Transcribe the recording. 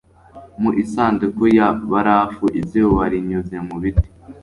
mu isanduku ya barafu izuba rinyuze mu biti